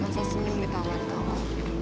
gak bisa senyum ditawa tawa